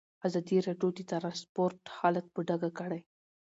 ازادي راډیو د ترانسپورټ حالت په ډاګه کړی.